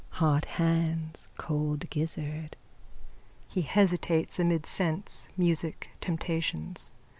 _ Hot hands cold gizzard. _(He hesitates amid scents, music, temptations.